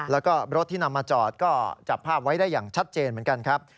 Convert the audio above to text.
แล้วก็รถที่นำมาจอดก็จับภาพไว้ได้อย่างชัดเจนเหมือนกันครับ